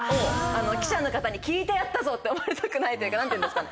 記者の方に「聞いてやったぞ」って思われたくないというか何というんですかね。